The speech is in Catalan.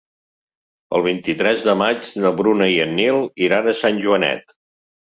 El vint-i-tres de maig na Bruna i en Nil iran a Sant Joanet.